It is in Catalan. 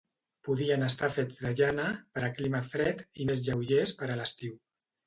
Podien estar fets de llana, per a clima fred, i més lleugers per a l'estiu.